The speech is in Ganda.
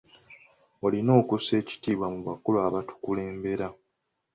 Oyina okussa ekitiibwa mu bakulu abatukulembera.